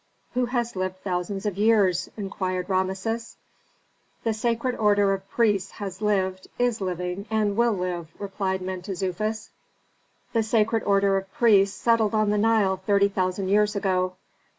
"Who has lived thousands of years?" inquired Rameses. "The sacred order of priests has lived, is living, and will live," replied Mentezufis. "The sacred order of priests settled on the Nile thirty thousand years ago.